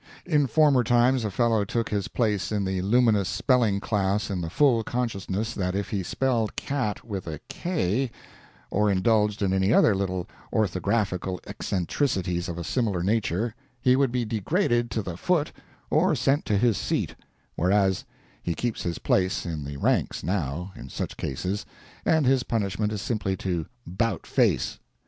In former times a fellow took his place in the luminous spelling class in the full consciousness that if he spelled cat with a "k," or indulged in any other little orthographical eccentricities of a similar nature, he would be degraded to the foot or sent to his seat; whereas, he keeps his place in the ranks now, in such cases, and his punishment is simply to "'bout face."